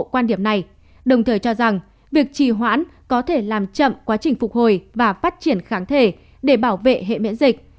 quan điểm này đồng thời cho rằng việc trì hoãn có thể làm chậm quá trình phục hồi và phát triển kháng thể để bảo vệ hệ miễn dịch